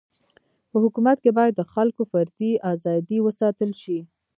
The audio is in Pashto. په حکومت کي باید د خلکو فردي ازادي و ساتل سي.